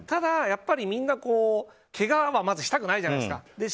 やっぱりみんな、けがはまずしたくないじゃないですか。